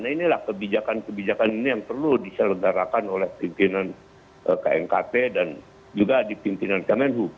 nah inilah kebijakan kebijakan ini yang perlu diselenggarakan oleh pimpinan knkt dan juga di pimpinan kemenhub